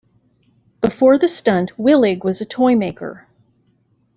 Before the stunt, Willig was a toymaker.